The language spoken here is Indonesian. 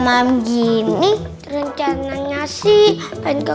malam gini rencananya sih main ke